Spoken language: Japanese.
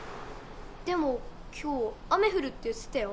でも今日雨ふるって言ってたよ。